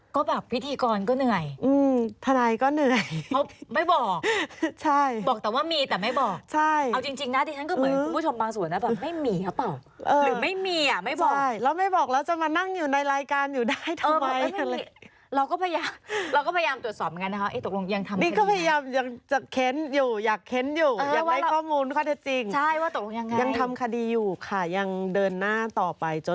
ก็แบบพิธีกรก็เหนื่อย